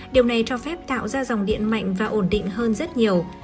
điều này cho phép tạo ra dòng điện mạnh và ổn định hơn rất nhiều